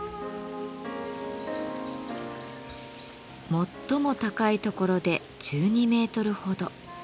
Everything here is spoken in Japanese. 最も高いところで１２メートルほど。